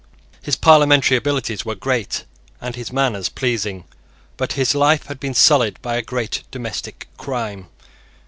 His parliamentary abilities were great, and his manners pleasing: but his life had been sullied by a great domestic crime.